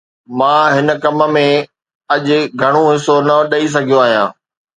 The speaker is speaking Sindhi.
مان هن ڪم ۾ اڄ گهڻو حصو نه ڏئي سگهيو آهيان.